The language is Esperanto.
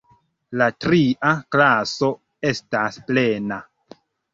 La tria klaso estas plena.